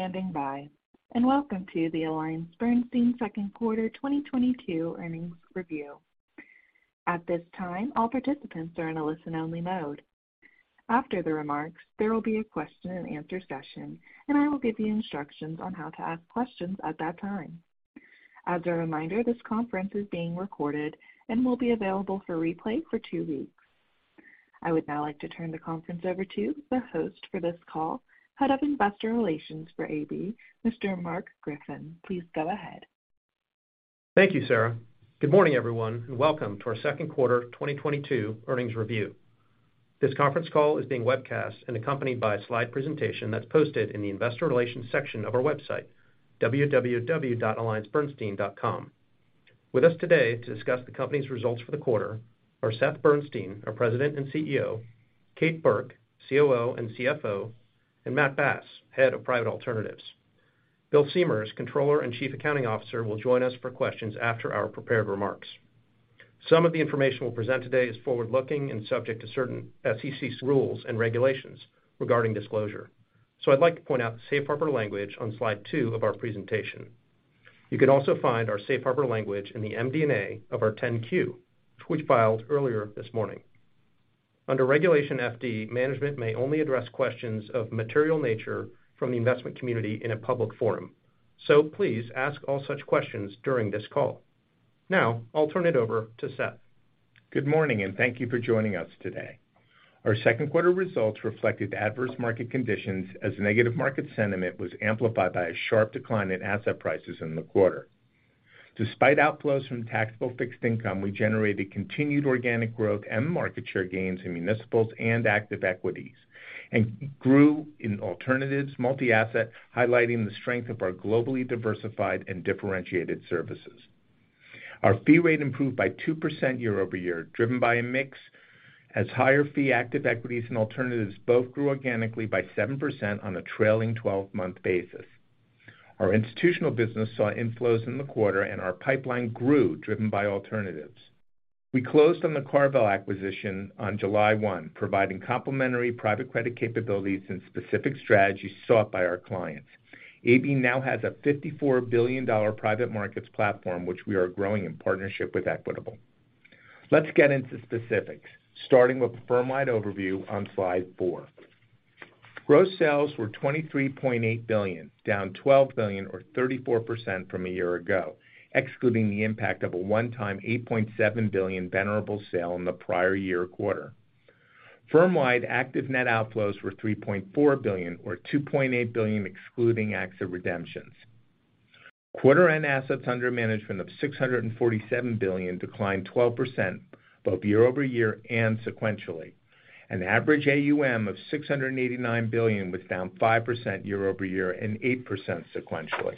Thank you for standing by, and welcome to the AllianceBernstein Second Quarter 2022 Earnings Review. At this time, all participants are in a listen-only mode. After the remarks, there will be a question-and-answer session, and I will give you instructions on how to ask questions at that time. As a reminder, this conference is being recorded and will be available for replay for two weeks. I would now like to turn the conference over to the host for this call, Head of Investor Relations for AB, Mr. Mark Griffin. Please go ahead. Thank you, Sarah. Good morning, everyone, and welcome to our second quarter 2022 earnings review. This conference call is being webcast and accompanied by a slide presentation that's posted in the investor relations section of our website, www.alliancebernstein.com. With us today to discuss the company's results for the quarter are Seth Bernstein, our President and CEO, Kate Burke, COO and CFO, and Matt Bass, Head of Private Alternatives. Bill Siemers, as Controller and Chief Accounting Officer, will join us for questions after our prepared remarks. Some of the information we'll present today is forward-looking and subject to certain SEC rules and regulations regarding disclosure. I'd like to point out the safe harbor language on slide two of our presentation. You can also find our safe harbor language in the MD&A of our 10-Q, which we filed earlier this morning. Under Regulation FD, management may only address questions of material nature from the investment community in a public forum. Please ask all such questions during this call. Now, I'll turn it over to Seth. Good morning, and thank you for joining us today. Our second quarter results reflected adverse market conditions as negative market sentiment was amplified by a sharp decline in asset prices in the quarter. Despite outflows from taxable fixed income, we generated continued organic growth and market share gains in municipals and active equities, and grew in alternatives, multi-asset, highlighting the strength of our globally diversified and differentiated services. Our fee rate improved by 2% year-over-year, driven by a mix as higher fee active equities and alternatives both grew organically by 7% on a trailing twelve-month basis. Our Institutional business saw inflows in the quarter and our pipeline grew, driven by alternatives. We closed on the CarVal acquisition on July 1, providing complementary private credit capabilities and specific strategies sought by our clients. AB now has a $54 billion private markets platform, which we are growing in partnership with Equitable. Let's get into specifics, starting with the firm-wide overview on slide four. Gross sales were $23.8 billion, down $12 billion or 34% from a year ago, excluding the impact of a one-time $8.7 billion Venerable sale in the prior year quarter. Firm-wide active net outflows were $3.4 billion or $2.8 billion excluding AXA redemptions. Quarter-end assets under management of $647 billion declined 12% both year-over-year and sequentially. An average AUM of $689 billion was down 5% year-over-year and 8% sequentially.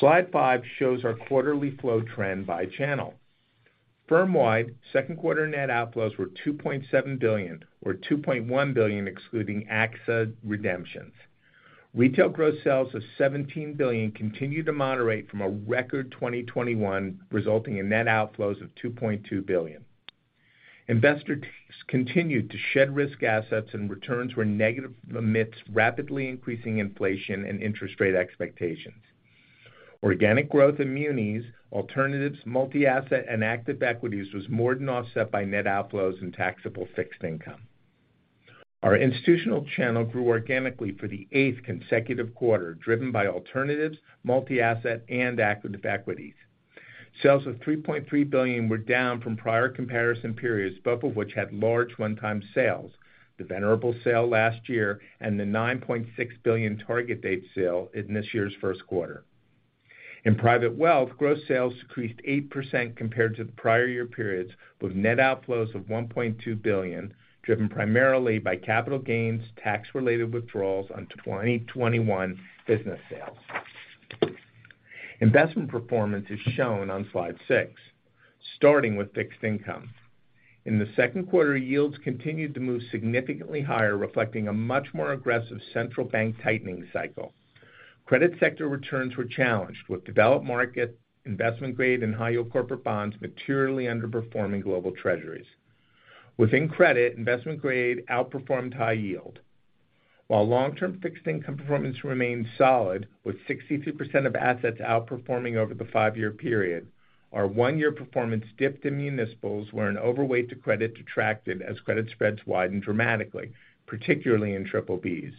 Slide five shows our quarterly flow trend by channel. Firm-wide, second quarter net outflows were $2.7 billion or $2.1 billion excluding AXA redemptions. Retail gross sales of $17 billion continued to moderate from a record 2021, resulting in net outflows of $2.2 billion. Investors continued to shed risk assets and returns were negative amidst rapidly increasing inflation and interest rate expectations. Organic growth in munis, alternatives, multi-asset, and active equities was more than offset by net outflows in taxable fixed income. Our institutional channel grew organically for the eighth consecutive quarter, driven by alternatives, multi-asset, and active equities. Sales of $3.3 billion were down from prior comparison periods, both of which had large one-time sales, the Venerable sale last year and the $9.6 billion target date sale in this year's first quarter. In private wealth, gross sales decreased 8% compared to the prior year periods, with net outflows of $1.2 billion, driven primarily by capital gains, tax-related withdrawals on 2021 business sales. Investment performance is shown on slide six, starting with fixed income. In the second quarter, yields continued to move significantly higher, reflecting a much more aggressive central bank tightening cycle. Credit sector returns were challenged, with developed market investment-grade and high yield corporate bonds materially underperforming global treasuries. Within credit, investment grade outperformed high yield. While long-term fixed income performance remained solid, with 62% of assets outperforming over the five-year period, our one-year performance dipped in municipals where an overweight to credit detracted as credit spreads widened dramatically, particularly in triple Bs.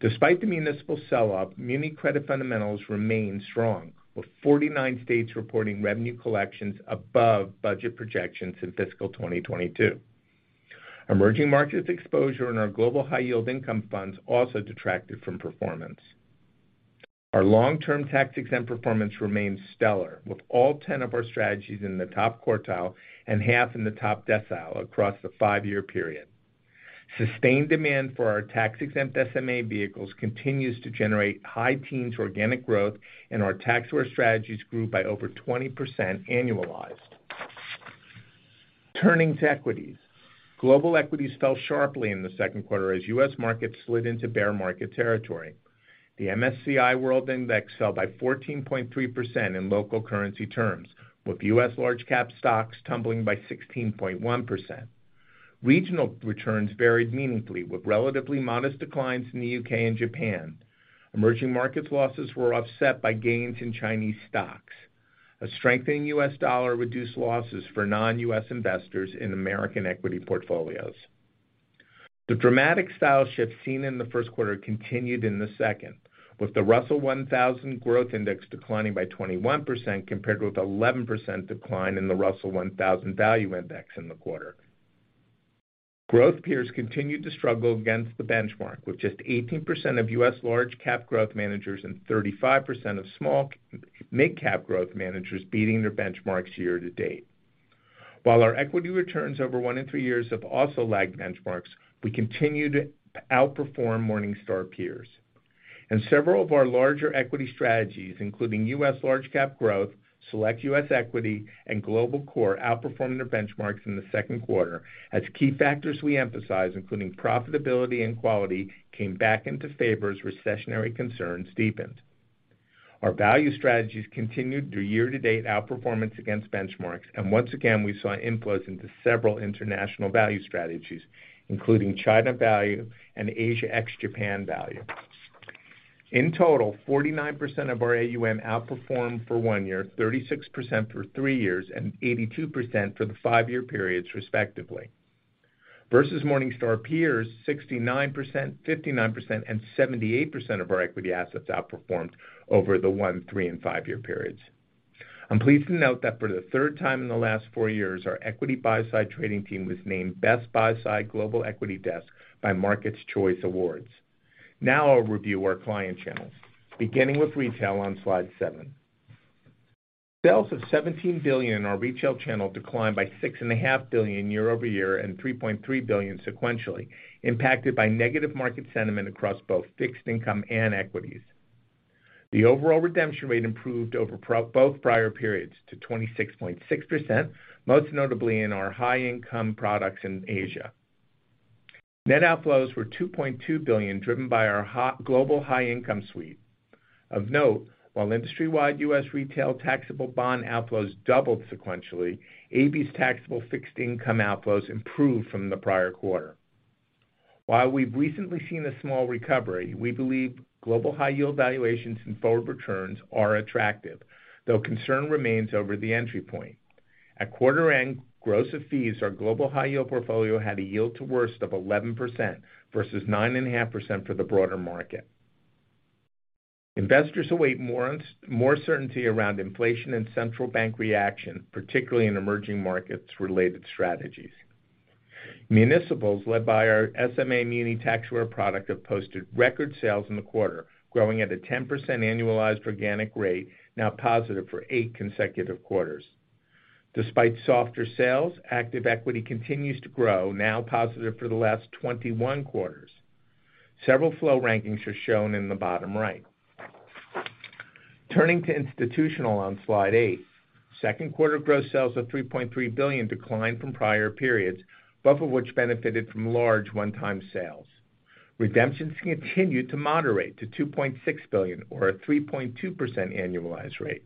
Despite the municipal sell-off, muni credit fundamentals remain strong, with 49 states reporting revenue collections above budget projections in fiscal 2022. Emerging markets exposure in our Global High Yield Income funds also detracted from performance. Our long-term tax-exempt performance remains stellar, with all 10 of our strategies in the top quartile and half in the top decile across the five-year period. Sustained demand for our tax-exempt SMA vehicles continues to generate high teens organic growth, and our tax-aware strategies grew by over 20% annualized. Turning to equities. Global equities fell sharply in the second quarter as U.S. markets slid into bear market territory. The MSCI World Index fell by 14.3% in local currency terms, with U.S. large-cap stocks tumbling by 16.1%. Regional returns varied meaningfully, with relatively modest declines in the U.K. and Japan. Emerging markets losses were offset by gains in Chinese stocks. A strengthening U.S. dollar reduced losses for non-U.S. investors in American equity portfolios. The dramatic style shift seen in the first quarter continued in the second, with the Russell 1000 Growth Index declining by 21% compared with 11% decline in the Russell 1000 Value Index in the quarter. Growth peers continued to struggle against the benchmark, with just 18% of U.S. Large Cap Growth managers and 35% of small/mid-cap growth managers beating their benchmarks year to date. While our equity returns over one and three years have also lagged benchmarks, we continue to outperform Morningstar peers. Several of our larger equity strategies, including U.S. Large Cap Growth, Select U.S. Equity, and Global Core, outperformed their benchmarks in the second quarter as key factors we emphasize, including profitability and quality, came back into favor as recessionary concerns deepened. Our value strategies continued their year-to-date outperformance against benchmarks, and once again, we saw inflows into several international value strategies, including China value and Asia ex Japan value. In total, 49% of our AUM outperformed for one year, 36% for three years, and 82% for the five-year periods respectively. Versus Morningstar peers, 69%, 59%, and 78% of our equity assets outperformed over the one, three, and five-year periods. I'm pleased to note that for the third time in the last four years, our equity buy-side trading team was named Best Buy-Side Global Equity Desk by Markets Choice Awards. Now I'll review our client channels, beginning with retail on slide seven. Sales of $17 billion in our retail channel declined by $6.5 billion year-over-year and $3.3 billion sequentially, impacted by negative market sentiment across both fixed income and equities. The overall redemption rate improved over both prior periods to 26.6%, most notably in our high-income products in Asia. Net outflows were $2.2 billion, driven by our Global High Income suite. Of note, while industry-wide U.S. retail taxable bond outflows doubled sequentially, AB's taxable fixed income outflows improved from the prior quarter. While we've recently seen a small recovery, we believe global high yield valuations and forward returns are attractive, though concern remains over the entry point. At quarter end, gross of fees, our global high yield portfolio had a yield to worst of 11% versus 9.5% for the broader market. Investors await more certainty around inflation and central bank reaction, particularly in emerging markets-related strategies. Municipals, led by our SMA muni tax-aware product, have posted record sales in the quarter, growing at a 10% annualized organic rate, now positive for eight consecutive quarters. Despite softer sales, active equity continues to grow, now positive for the last 21 quarters. Several flow rankings are shown in the bottom right. Turning to Institutional on slide eight, second quarter gross sales of $3.3 billion declined from prior periods, both of which benefited from large one-time sales. Redemptions continued to moderate to $2.6 billion or a 3.2% annualized rate.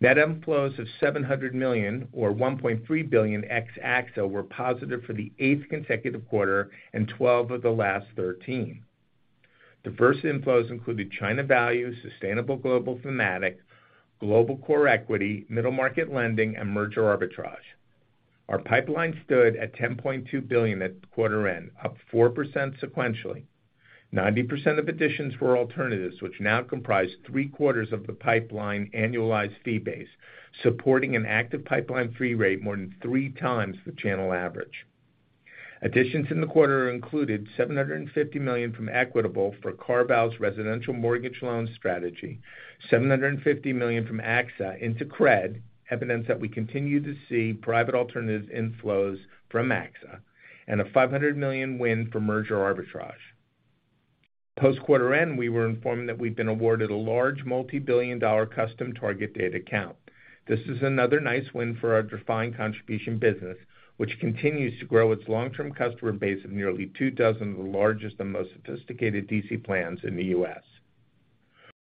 Net inflows of $700 million or $1.3 billion ex AXA were positive for the eighth consecutive quarter and 12 of the last 13. Diverse inflows included China value, Sustainable Global Thematic, Global Core Equity, Middle Market Lending, and Merger Arbitrage. Our pipeline stood at $10.2 billion at quarter end, up 4% sequentially. 90% of additions were alternatives, which now comprise three-quarters of the pipeline annualized fee base, supporting an active pipeline fee rate more than three times the channel average. Additions in the quarter included $750 million from Equitable for CarVal's residential mortgage loan strategy, $750 million from AXA into credit, evidence that we continue to see private alternatives inflows from AXA, and a $500 million win for Merger Arbitrage. Post-quarter end, we were informed that we've been awarded a large multi-billion-dollar custom target date account. This is another nice win for our defined contribution business, which continues to grow its long-term customer base of nearly two dozen of the largest and most sophisticated DC plans in the U.S..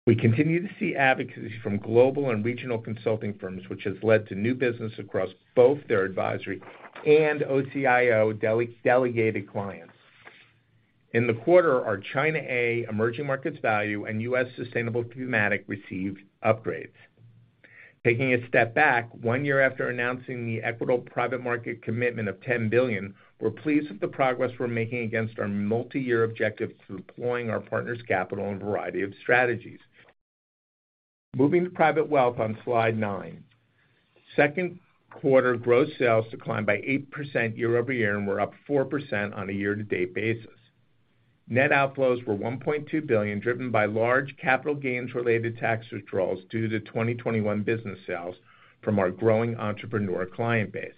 We continue to see advocacy from global and regional consulting firms, which has led to new business across both their advisory and OCIO delegated clients. In the quarter, our China A, Emerging Markets Value, and U.S. Sustainable Thematic received upgrades. Taking a step back, one year after announcing the Equitable private markets commitment of $10 billion, we're pleased with the progress we're making against our multi-year objective to deploying our partners' capital in a variety of strategies. Moving to private wealth on slide nine. Second quarter gross sales declined by 8% year-over-year and were up 4% on a year-to-date basis. Net outflows were $1.2 billion, driven by large capital gains-related tax withdrawals due to 2021 business sales from our growing entrepreneur client base.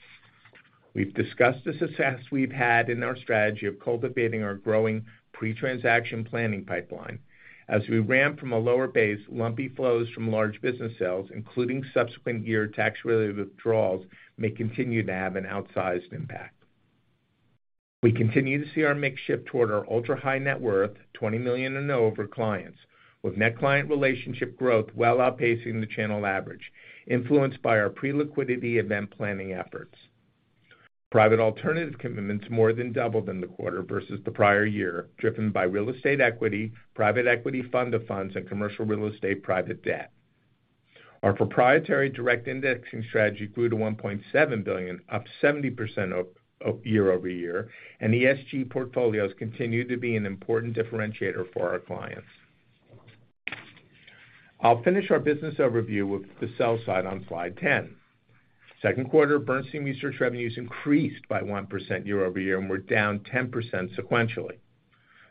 We've discussed the success we've had in our strategy of cultivating our growing pre-transaction planning pipeline. As we ramp from a lower base, lumpy flows from large business sales, including subsequent year tax-related withdrawals, may continue to have an outsized impact. We continue to see our mix shift toward our ultra-high net worth, $20 million and over clients, with net client relationship growth well outpacing the channel average, influenced by our pre-liquidity event planning efforts. Private alternative commitments more than doubled in the quarter versus the prior year, driven by real estate equity, private equity fund of funds, and commercial real estate private debt. Our proprietary direct indexing strategy grew to $1.7 billion, up 70% year-over-year, and the ESG portfolios continue to be an important differentiator for our clients. I'll finish our business overview with the sell side on slide 10. Second quarter Bernstein Research revenues increased by 1% year-over-year and were down 10% sequentially.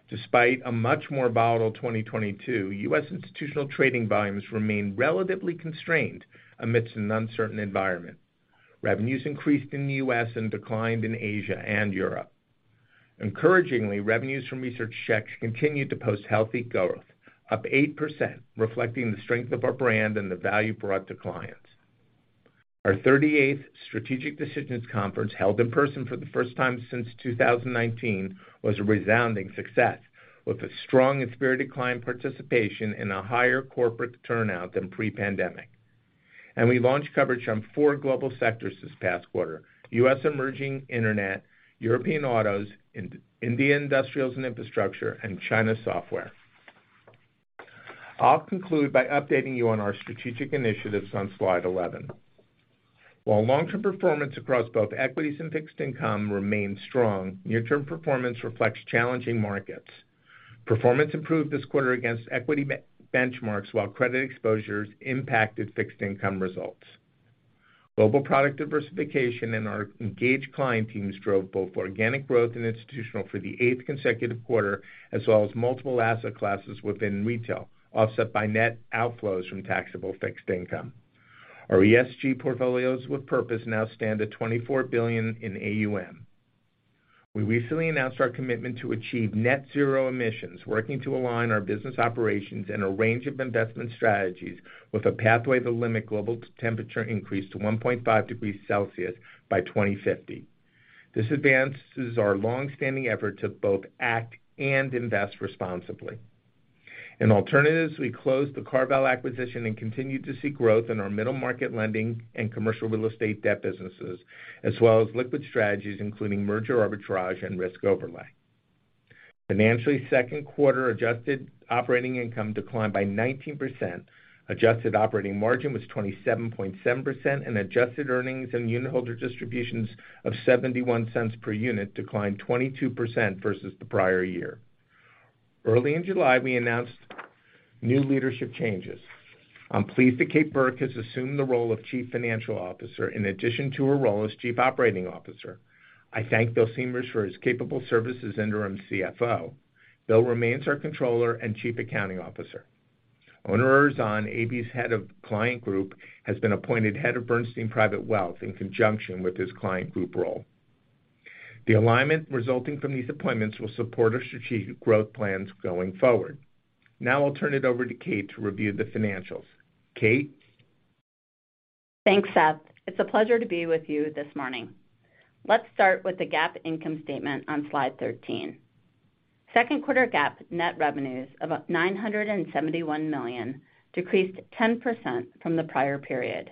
Despite a much more volatile 2022, U.S. institutional trading volumes remain relatively constrained amidst an uncertain environment. Revenues increased in the U.S. and declined in Asia and Europe. Encouragingly, revenues from research checks continued to post healthy growth, up 8%, reflecting the strength of our brand and the value brought to clients. Our 38th Strategic Decisions Conference, held in person for the first time since 2019, was a resounding success, with a strong and spirited client participation and a higher corporate turnout than pre-pandemic. We launched coverage on four global sectors this past quarter, U.S. emerging internet, European autos, in India industrials and infrastructure, and China software. I'll conclude by updating you on our strategic initiatives on slide 11. While long-term performance across both equities and fixed income remains strong, near-term performance reflects challenging markets. Performance improved this quarter against equity benchmarks, while credit exposures impacted fixed income results. Global product diversification and our engaged client teams drove organic growth in Institutional for the 8th consecutive quarter, as well as multiple asset classes within retail, offset by net outflows from taxable fixed income. Our ESG portfolios with purpose now stand at $24 billion in AUM. We recently announced our commitment to achieve net zero emissions, working to align our business operations and a range of investment strategies with a pathway to limit global temperature increase to 1.5 degrees Celsius by 2050. This advances our long-standing effort to both act and invest responsibly. In alternatives, we closed the CarVal acquisition and continued to see growth in our middle market lending and commercial real estate debt businesses, as well as liquid strategies, including Merger Arbitrage and risk overlay. Financially, second quarter adjusted operating income declined by 19%. Adjusted operating margin was 27.7%, and adjusted earnings and unitholder distributions of $0.71 per unit declined 22% versus the prior year. Early in July, we announced new leadership changes. I'm pleased that Kate Burke has assumed the role of Chief Financial Officer in addition to her role as Chief Operating Officer. I thank Bill Siemers for his capable service as interim CFO. Bill remains our Controller and Chief Accounting Officer. Onur Erzan, AB's Head of Client Group, has been appointed Head of Bernstein Private Wealth in conjunction with his client group role. The alignment resulting from these appointments will support our strategic growth plans going forward. Now I'll turn it over to Kate to review the financials. Kate? Thanks, Seth. It's a pleasure to be with you this morning. Let's start with the GAAP income statement on slide 13. Second quarter GAAP net revenues of about $971 million decreased 10% from the prior period.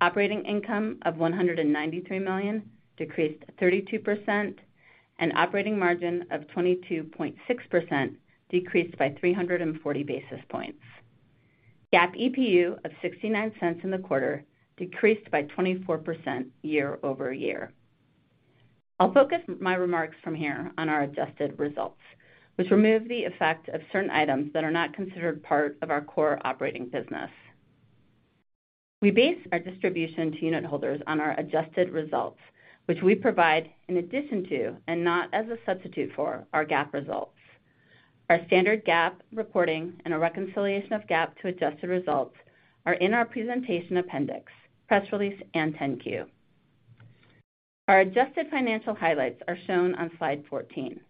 Operating income of $193 million decreased 32%, and operating margin of 22.6% decreased by 340 basis points. GAAP EPU of $0.69 in the quarter decreased by 24% year-over-year. I'll focus my remarks from here on our adjusted results, which remove the effect of certain items that are not considered part of our core operating business. We base our distribution to unitholders on our adjusted results, which we provide in addition to, and not as a substitute for, our GAAP results. Our standard GAAP reporting and a reconciliation of GAAP to adjusted results are in our presentation appendix, press release, and 10-Q. Our adjusted financial highlights are shown on slide 14,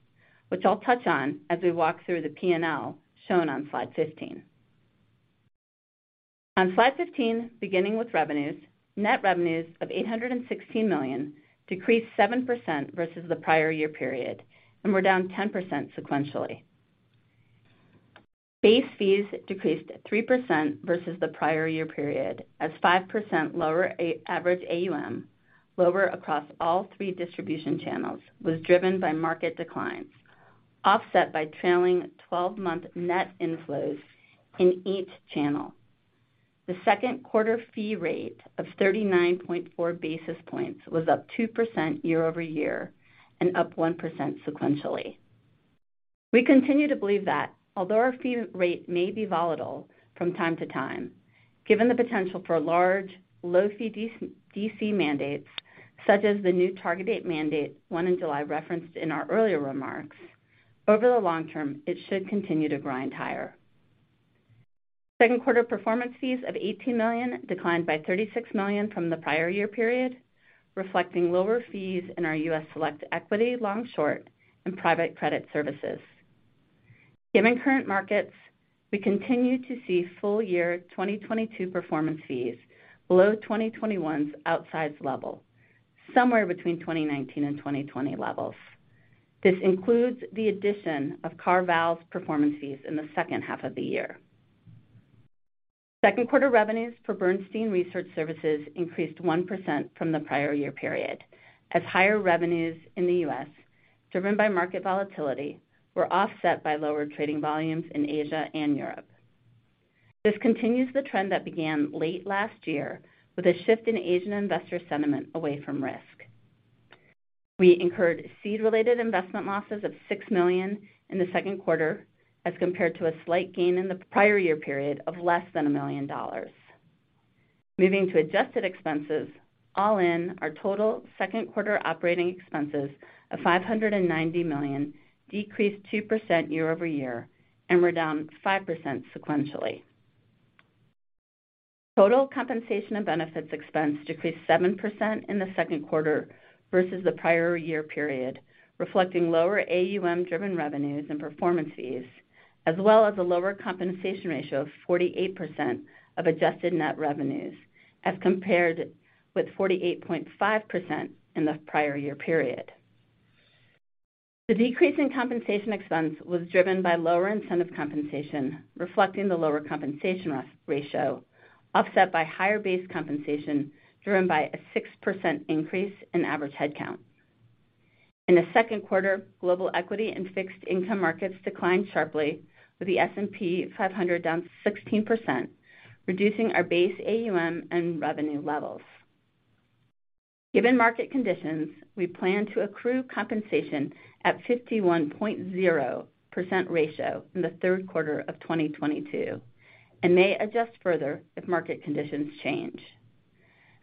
which I'll touch on as we walk through the P&L shown on slide 15. On slide 15, beginning with revenues, net revenues of $816 million decreased 7% versus the prior year period and were down 10% sequentially. Base fees decreased 3% versus the prior year period as 5% lower average AUM, lower across all three distribution channels, was driven by market declines, offset by trailing twelve-month net inflows in each channel. The second quarter fee rate of 39.4 basis points was up 2% year-over-year and up 1% sequentially. We continue to believe that although our fee rate may be volatile from time to time, given the potential for large, low fee DC mandates, such as the new target date mandate won in July referenced in our earlier remarks, over the long term, it should continue to grind higher. Second quarter performance fees of $18 million declined by $36 million from the prior year period, reflecting lower fees in our Select U.S. Equity, long short, and private credit services. Given current markets, we continue to see full year 2022 performance fees below 2021's outside level, somewhere between 2019 and 2020 levels. This includes the addition of CarVal's performance fees in the second half of the year. Second quarter revenues for Bernstein Research Services increased 1% from the prior year period, as higher revenues in the U.S., driven by market volatility, were offset by lower trading volumes in Asia and Europe. This continues the trend that began late last year with a shift in Asian investor sentiment away from risk. We incurred seed-related investment losses of $6 million in the second quarter as compared to a slight gain in the prior year period of less than $1 million. Moving to adjusted expenses, all in, our total second quarter operating expenses of $590 million decreased 2% year-over-year and were down 5% sequentially. Total compensation and benefits expense decreased 7% in the second quarter versus the prior year period, reflecting lower AUM-driven revenues and performance fees, as well as a lower compensation ratio of 48% of adjusted net revenues as compared with 48.5% in the prior year period. The decrease in compensation expense was driven by lower incentive compensation, reflecting the lower compensation ratio, offset by higher base compensation driven by a 6% increase in average headcount. In the second quarter, global equity and fixed income markets declined sharply, with the S&P 500 down 16%, reducing our base AUM and revenue levels. Given market conditions, we plan to accrue compensation at 51.0% ratio in the third quarter of 2022 and may adjust further if market conditions change.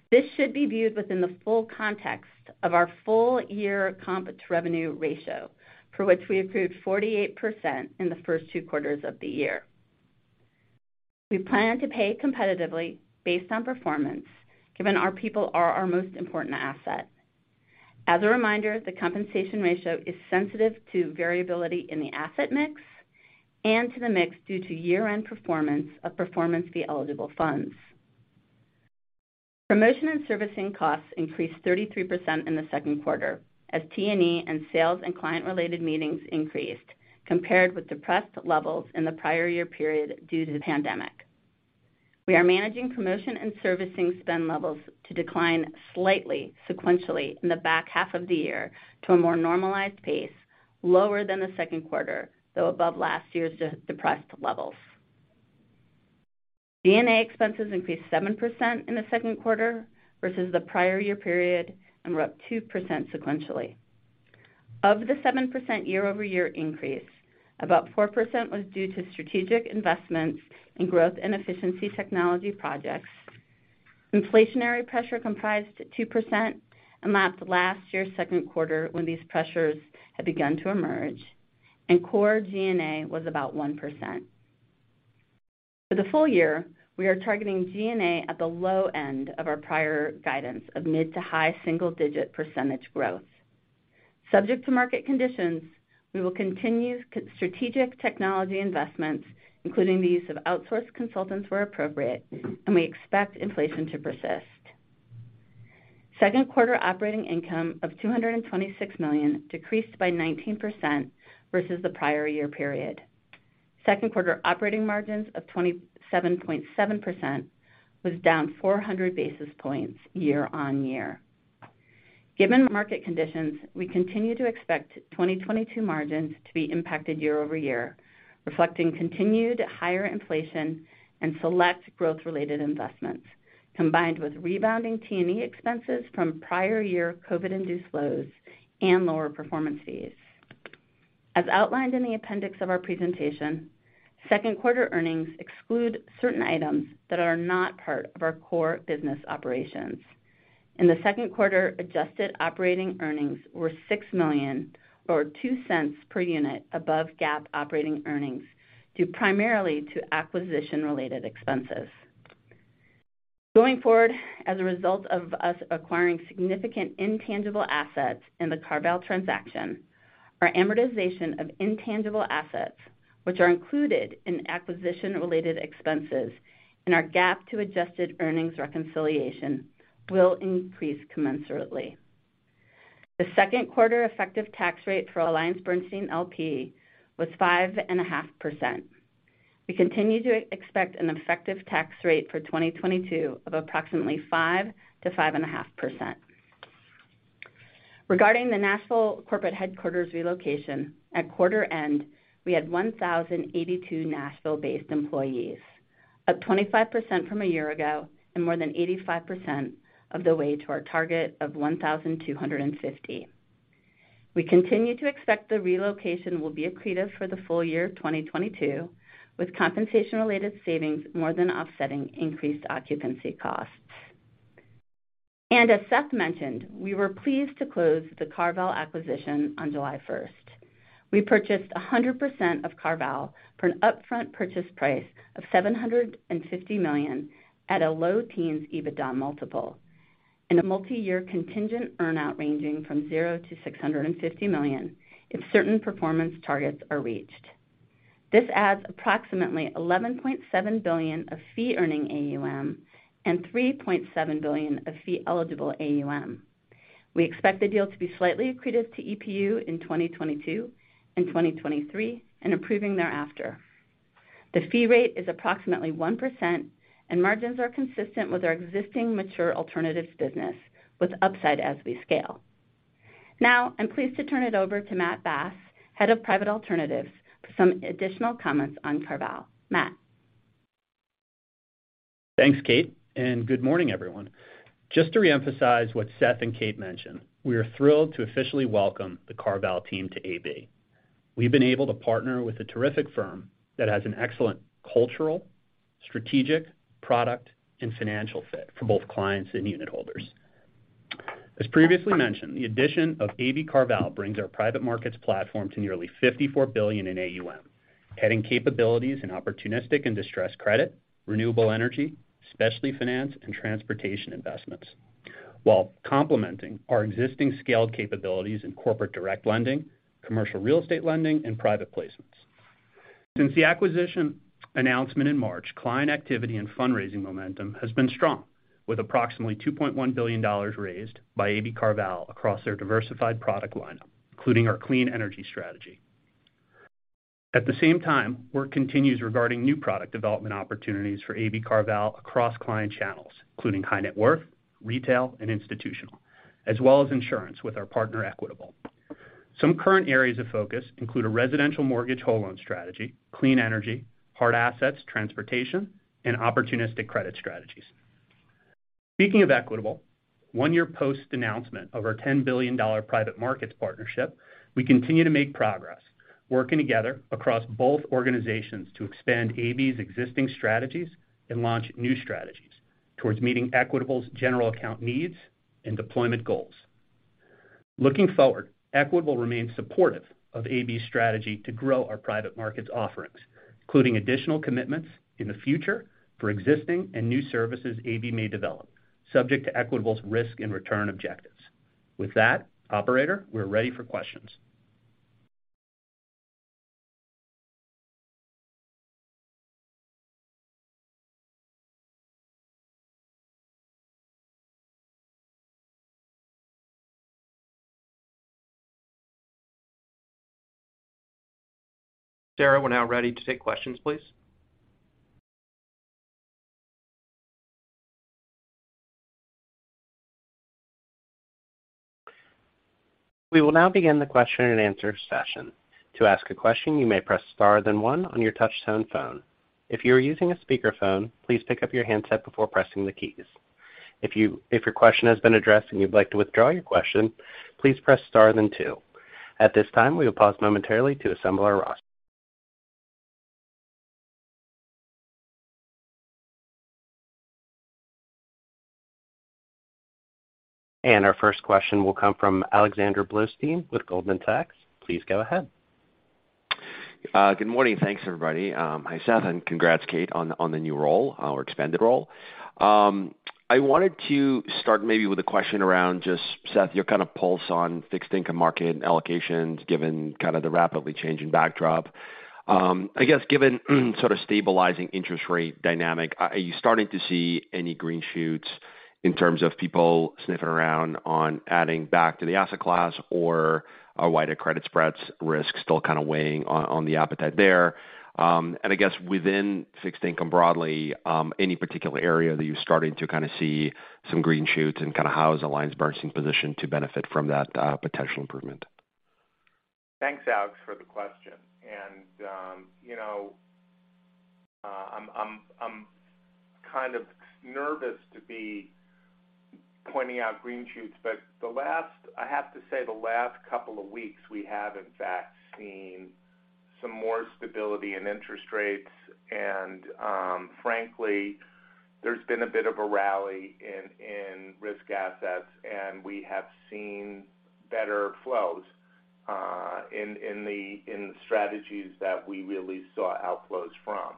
This should be viewed within the full context of our full year comp to revenue ratio, for which we accrued 48% in the first two quarters of the year. We plan to pay competitively based on performance, given our people are our most important asset. As a reminder, the compensation ratio is sensitive to variability in the asset mix and to the mix due to year-end performance of performance fee-eligible funds. Promotion and servicing costs increased 33% in the second quarter as T&E and sales and client-related meetings increased compared with depressed levels in the prior year period due to the pandemic. We are managing promotion and servicing spend levels to decline slightly sequentially in the back half of the year to a more normalized pace lower than the second quarter, though above last year's depressed levels. G&A expenses increased 7% in the second quarter versus the prior year period and were up 2% sequentially. Of the 7% year-over-year increase, about 4% was due to strategic investments in growth and efficiency technology projects. Inflationary pressure comprised 2% and lapped last year's second quarter when these pressures had begun to emerge, and core G&A was about 1%. For the full year, we are targeting G&A at the low end of our prior guidance of mid- to high single-digit percentage growth. Subject to market conditions, we will continue strategic technology investments, including the use of outsourced consultants where appropriate, and we expect inflation to persist. Second quarter operating income of $226 million decreased by 19% versus the prior year period. Second quarter operating margins of 27.7% was down 400 basis points year-over-year. Given market conditions, we continue to expect 2022 margins to be impacted year-over-year, reflecting continued higher inflation and select growth-related investments, combined with rebounding T&E expenses from prior year COVID-induced lows and lower performance fees. As outlined in the appendix of our presentation, second quarter earnings exclude certain items that are not part of our core business operations. In the second quarter, adjusted operating earnings were $6 million or $0.02 per unit above GAAP operating earnings, due primarily to acquisition-related expenses. Going forward, as a result of us acquiring significant intangible assets in the CarVal transaction, our amortization of intangible assets, which are included in acquisition-related expenses in our GAAP to adjusted earnings reconciliation, will increase commensurately. The second quarter effective tax rate for AllianceBernstein L.P. was 5.5%. We continue to expect an effective tax rate for 2022 of approximately 5%-5.5%. Regarding the Nashville corporate headquarters relocation, at quarter end, we had 1,082 Nashville-based employees, up 25% from a year ago and more than 85% of the way to our target of 1,250. We continue to expect the relocation will be accretive for the full year of 2022, with compensation-related savings more than offsetting increased occupancy costs. As Seth mentioned, we were pleased to close the CarVal acquisition on July 1. We purchased 100% of CarVal for an upfront purchase price of $750 million at a low teens EBITDA multiple. A multiyear contingent earn out ranging from $0 to $650 million if certain performance targets are reached. This adds approximately $11.7 billion of fee earning AUM and $3.7 billion of fee eligible AUM. We expect the deal to be slightly accretive to EPU in 2022 and 2023 and improving thereafter. The fee rate is approximately 1% and margins are consistent with our existing mature alternatives business with upside as we scale. Now, I'm pleased to turn it over to Matt Bass, Head of Private Alternatives, for some additional comments on CarVal. Matt. Thanks, Kate, and good morning, everyone. Just to reemphasize what Seth and Kate mentioned, we are thrilled to officially welcome the CarVal team to AB. We've been able to partner with a terrific firm that has an excellent cultural, strategic, product and financial fit for both clients and unit holders. As previously mentioned, the addition of AB CarVal brings our private markets platform to nearly $54 billion in AUM, adding capabilities in opportunistic and distressed credit, renewable energy, specialty finance, and transportation investments, while complementing our existing scaled capabilities in corporate direct lending, commercial real estate lending, and private placements. Since the acquisition announcement in March, client activity and fundraising momentum has been strong, with approximately $2.1 billion raised by AB CarVal across their diversified product lineup, including our Clean Energy Strategy. At the same time, work continues regarding new product development opportunities for AB CarVal across client channels, including high net worth, retail, and institutional, as well as insurance with our partner, Equitable. Some current areas of focus include a residential mortgage whole loan strategy, clean energy, hard assets, transportation, and opportunistic credit strategies. Speaking of Equitable, one year post-announcement of our $10 billion private markets partnership, we continue to make progress working together across both organizations to expand AB's existing strategies and launch new strategies towards meeting Equitable's general account needs and deployment goals. Looking forward, Equitable remains supportive of AB's strategy to grow our private markets offerings, including additional commitments in the future for existing and new services AB may develop, subject to Equitable's risk and return objectives. With that, operator, we're ready for questions. Sarah, we're now ready to take questions, please. We will now begin the question and answer session. To ask a question, you may press star then one on your touchtone phone. If you are using a speakerphone, please pick up your handset before pressing the keys. If your question has been addressed and you'd like to withdraw your question, please press star then two. At this time, we will pause momentarily to assemble our roster. Our first question will come from Alexander Blostein with Goldman Sachs. Please go ahead. Good morning. Thanks, everybody. Hi, Seth, and congrats, Kate, on the new role or expanded role. I wanted to start maybe with a question around just, Seth, your kind of pulse on fixed income market allocations, given kind of the rapidly changing backdrop. I guess given sort of stabilizing interest rate dynamic, are you starting to see any green shoots in terms of people sniffing around on adding back to the asset class, or are wider credit spreads risk still kind of weighing on the appetite there? I guess within fixed income broadly, any particular area that you're starting to kind of see some green shoots and kind of how is AllianceBernstein positioned to benefit from that potential improvement? Thanks, Alex, for the question. You know, I'm kind of nervous to be pointing out green shoots, but I have to say, the last couple of weeks, we have in fact seen some more stability in interest rates. Frankly, there's been a bit of a rally in risk assets, and we have seen better flows in the strategies that we really saw outflows from.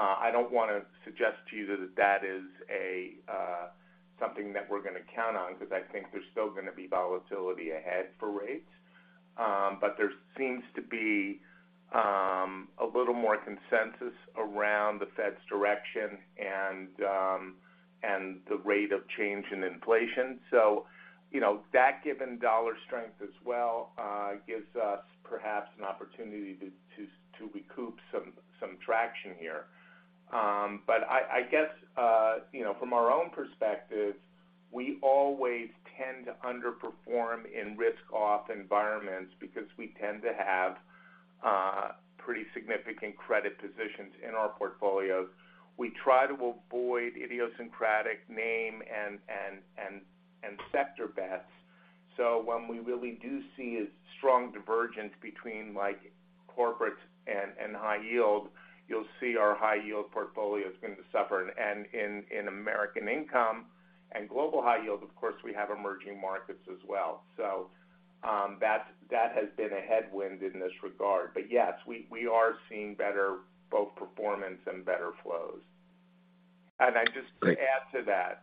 I don't wanna suggest to you that is a something that we're gonna count on because I think there's still gonna be volatility ahead for rates. There seems to be a little more consensus around the Fed's direction and the rate of change in inflation. You know, that given dollar strength as well gives us perhaps an opportunity to recoup some traction here. I guess, you know, from our own perspective, we always tend to underperform in risk-off environments because we tend to have pretty significant credit positions in our portfolios. We try to avoid idiosyncratic name and sector bets. When we really do see a strong divergence between like corporate and high-yield, you'll see our high-yield portfolio is going to suffer. In American Income and Global High Yield, of course, we have emerging markets as well. That has been a headwind in this regard. Yes, we are seeing better both performance and better flows. I just wanted to add to that.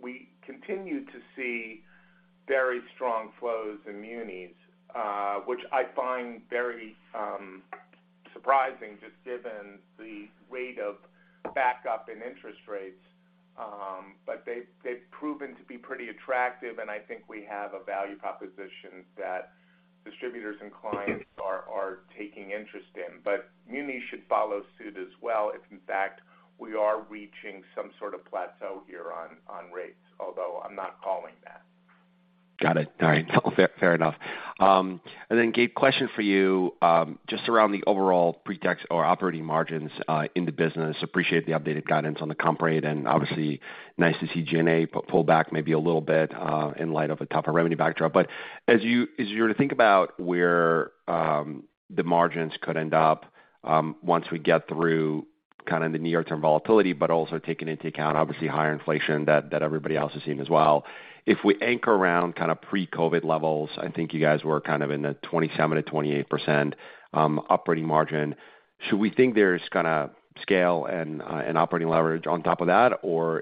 We continue to see very strong flows in munis, which I find very surprising just given the rate of backup in interest rates. They've proven to be pretty attractive, and I think we have a value proposition that distributors and clients are taking interest in. Munis should follow suit as well if in fact we are reaching some sort of plateau here on rates, although I'm not calling that. Got it. All right. Fair enough. Kate, question for you, just around the overall pretax or operating margins in the business. Appreciate the updated guidance on the comp rate, and obviously nice to see G&A pull back maybe a little bit in light of a tougher revenue backdrop. As you were to think about where the margins could end up, once we get through kind of the near-term volatility, but also taking into account obviously higher inflation that everybody else is seeing as well. If we anchor around kind of pre-COVID levels, I think you guys were kind of in the 27%-28% operating margin. Should we think there's kind of scale and operating leverage on top of that?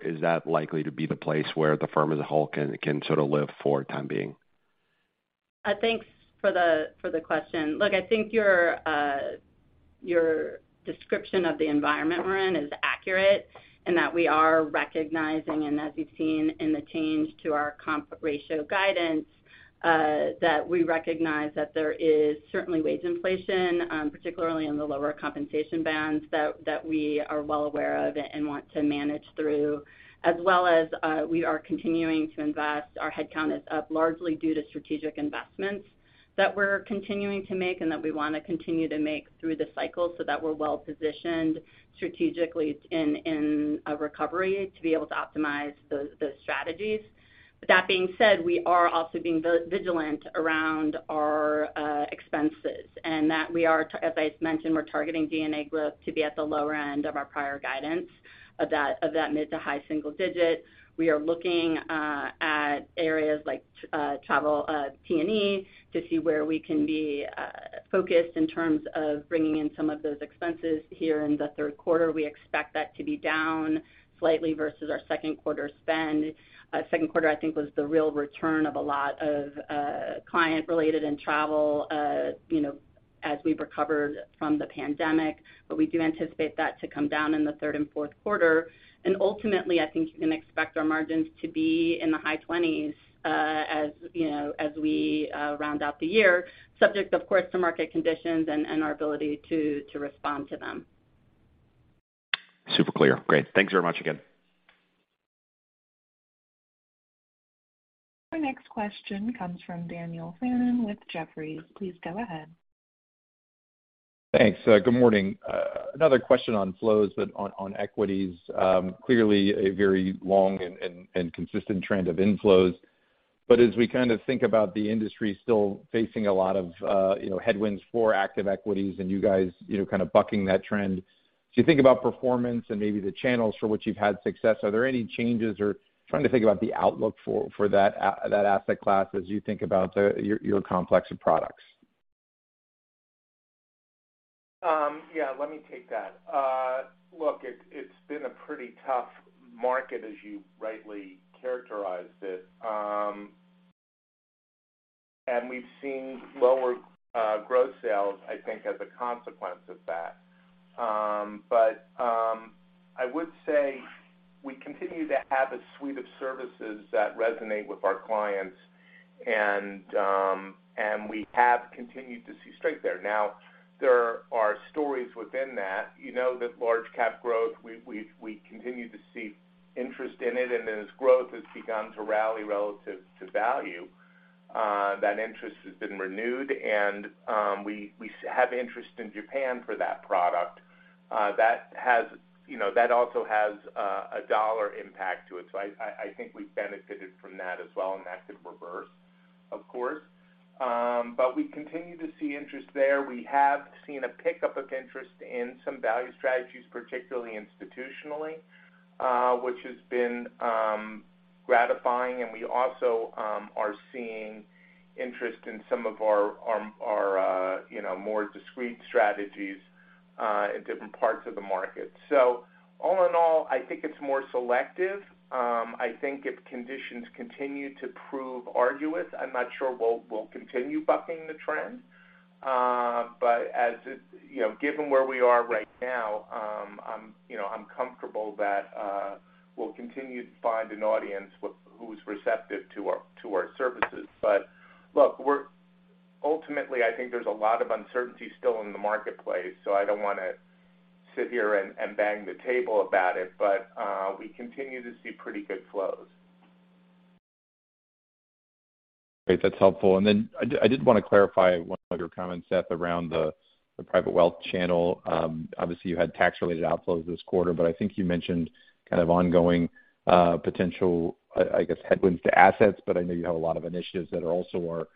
Is that likely to be the place where the firm as a whole can sort of live for time being? Thanks for the question. Look, I think your description of the environment we're in is accurate, and that we are recognizing, and as you've seen in the change to our comp ratio guidance, that we recognize that there is certainly wage inflation, particularly in the lower compensation bands that we are well aware of and want to manage through. As well as, we are continuing to invest. Our headcount is up largely due to strategic investments that we're continuing to make and that we want to continue to make through the cycle so that we're well positioned strategically in a recovery to be able to optimize those strategies. That being said, we are also being vigilant around our expenses, and that we are, as I mentioned, we're targeting G&A growth to be at the lower end of our prior guidance of that mid- to high-single-digit %. We are looking at areas like travel, T&E to see where we can be focused in terms of bringing in some of those expenses here in the third quarter. We expect that to be down slightly versus our second quarter spend. Second quarter, I think, was the real return of a lot of client-related and travel, you know, as we recovered from the pandemic. We do anticipate that to come down in the third and fourth quarter. Ultimately, I think you can expect our margins to be in the high 20%s, as you know, as we round out the year, subject, of course, to market conditions and our ability to respond to them. Super clear. Great. Thanks very much again. Our next question comes from Daniel Fannon with Jefferies. Please go ahead. Thanks. Good morning. Another question on flows, but on equities. Clearly a very long and consistent trend of inflows. As we kind of think about the industry still facing a lot of, you know, headwinds for active equities and you guys, you know, kind of bucking that trend. As you think about performance and maybe the channels for which you've had success, are there any changes or trying to think about the outlook for that asset class as you think about your complex of products? Yeah, let me take that. Look, it's been a pretty tough market, as you rightly characterized it. We've seen lower growth sales, I think, as a consequence of that. I would say we continue to have a suite of services that resonate with our clients and we have continued to see strength there. Now, there are stories within that. You know that large cap growth, we continue to see interest in it. As growth has begun to rally relative to value, that interest has been renewed. We have interest in Japan for that product that has, you know, that also has a dollar impact to it. I think we've benefited from that as well, and that could reverse, of course. We continue to see interest there. We have seen a pickup of interest in some value strategies, particularly institutionally, which has been gratifying. We also are seeing interest in some of our you know, more discreet strategies in different parts of the market. All in all, I think it's more selective. I think if conditions continue to prove arduous, I'm not sure we'll continue bucking the trend. You know, given where we are right now, I'm you know, comfortable that we'll continue to find an audience who's receptive to our services. Look, ultimately, I think there's a lot of uncertainty still in the marketplace, so I don't wanna sit here and bang the table about it. We continue to see pretty good flows. Great. That's helpful. I did wanna clarify one of your comments, Seth, around the private wealth channel. Obviously you had tax-related outflows this quarter, but I think you mentioned kind of ongoing potential, I guess, headwinds to assets, but I know you have a lot of initiatives that are also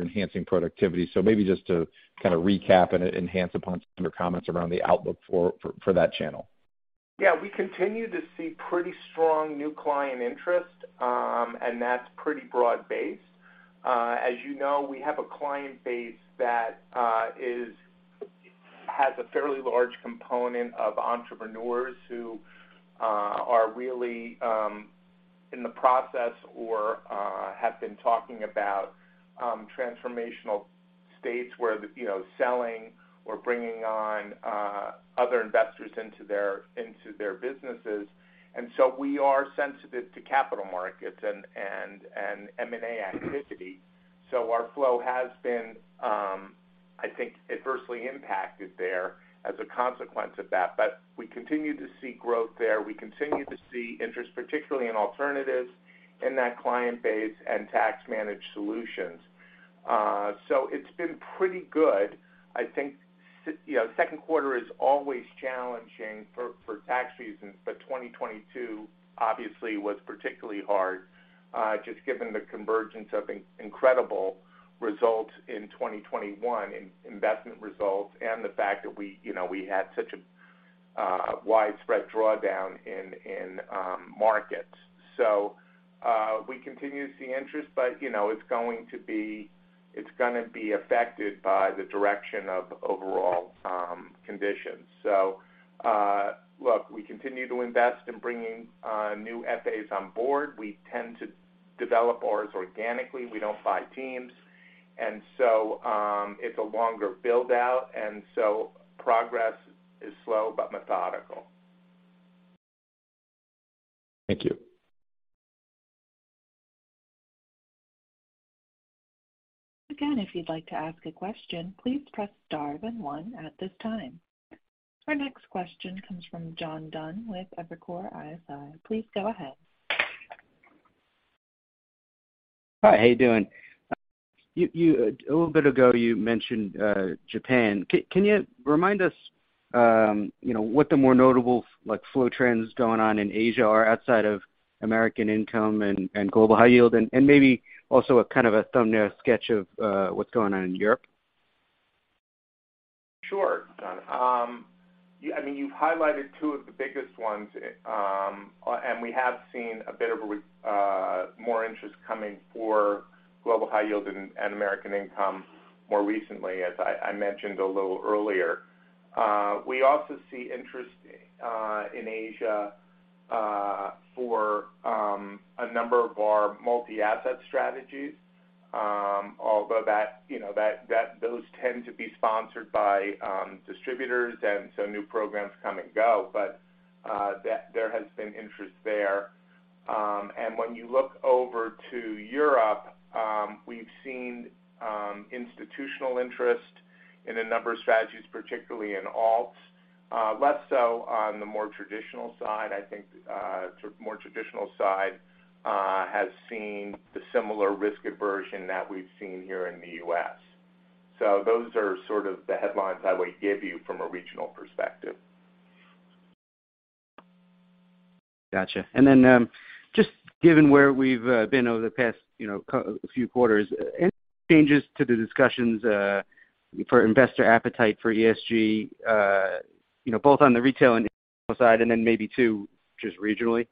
enhancing productivity. Maybe just to kind of recap and enhance upon some of your comments around the outlook for that channel. Yeah, we continue to see pretty strong new client interest, and that's pretty broad-based. As you know, we have a client base that has a fairly large component of entrepreneurs who are really in the process or have been talking about transformational stages where you know, selling or bringing on other investors into their businesses. We are sensitive to capital markets and M&A activity. Our flow has been, I think adversely impacted there as a consequence of that. We continue to see growth there. We continue to see interest, particularly in alternatives in that client base and tax managed solutions. It's been pretty good. I think you know, second quarter is always challenging for tax reasons, but 2022 obviously was particularly hard, just given the convergence of incredible results in 2021 in investment results and the fact that we, you know, we had such a widespread drawdown in markets. We continue to see interest but, you know, it's going to be, it's gonna be affected by the direction of overall conditions. Look, we continue to invest in bringing new FAs on board. We tend to develop ours organically. We don't buy teams. It's a longer build-out, and progress is slow but methodical. Thank you. Again, if you'd like to ask a question, please press star then one at this time. Our next question comes from John Dunn with Evercore ISI. Please go ahead. Hi, how you doing? You a little bit ago, you mentioned Japan. Can you remind us, you know, what the more notable like flow trends going on in Asia are outside of American Income and Global High Yield and maybe also a kind of a thumbnail sketch of what's going on in Europe? Sure. Yeah, I mean, you've highlighted two of the biggest ones. And we have seen a bit of more interest coming for Global High Yield and American Income more recently, as I mentioned a little earlier. We also see interest in Asia for a number of our multi-asset strategies, although that, you know, those tend to be sponsored by distributors, and so new programs come and go. There has been interest there. And when you look over to Europe, we've seen institutional interest in a number of strategies, particularly in alts, less so on the more traditional side. I think sort of more traditional side has seen the similar risk aversion that we've seen here in the U.S.. Those are sort of the headlines I would give you from a regional perspective. Gotcha. Just given where we've been over the past, you know, few quarters, any changes to the discussions for investor appetite for ESG, you know, both on the retail and Institutional side and then maybe too, just regionally?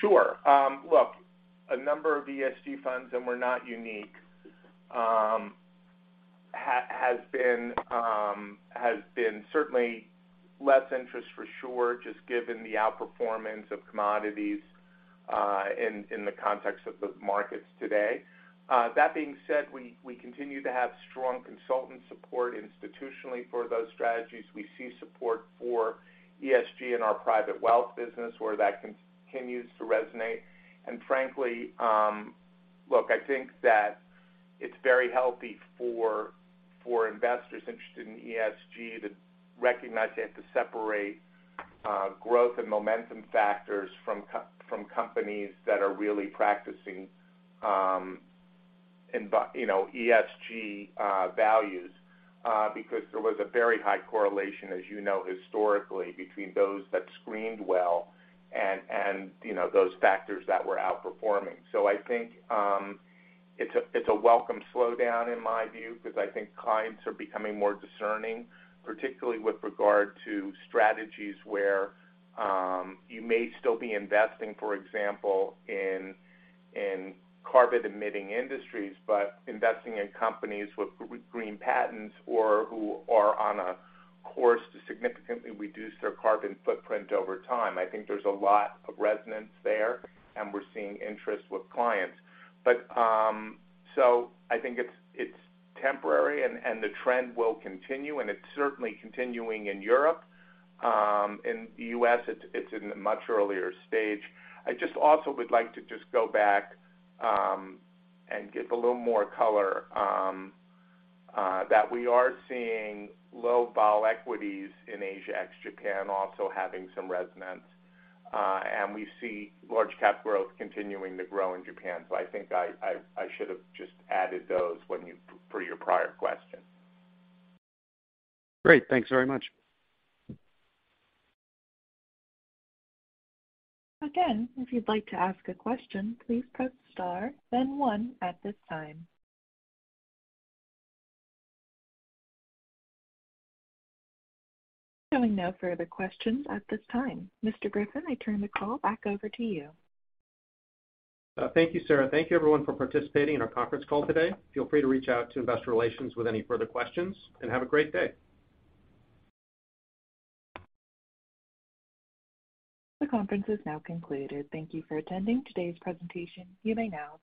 Sure. Look, a number of ESG funds, and we're not unique, has been certainly less interest for sure, just given the outperformance of commodities in the context of the markets today. That being said, we continue to have strong consultant support institutionally for those strategies. We see support for ESG in our private wealth business where that continues to resonate. Frankly, look, I think that it's very healthy for investors interested in ESG to recognize they have to separate growth and momentum factors from companies that are really practicing ESG values because there was a very high correlation, as you know, historically between those that screened well and those factors that were outperforming. I think it's a welcome slowdown in my view because I think clients are becoming more discerning, particularly with regard to strategies where you may still be investing, for example, in carbon emitting industries, but investing in companies with green patents or who are on a course to significantly reduce their carbon footprint over time. I think there's a lot of resonance there, and we're seeing interest with clients. I think it's temporary and the trend will continue, and it's certainly continuing in Europe. In the U.S. it's in a much earlier stage. I just also would like to just go back and give a little more color that we are seeing low vol equities in Asia ex-Japan also having some resonance. We see large cap growth continuing to grow in Japan. I think I should have just added those for your prior question. Great. Thanks very much. Again, if you'd like to ask a question, please press star then one at this time. Showing no further questions at this time. Mr. Griffin, I turn the call back over to you. Thank you, Sarah. Thank you everyone for participating in our conference call today. Feel free to reach out to investor relations with any further questions, and have a great day. The conference is now concluded. Thank you for attending today's presentation. You may now disconnect.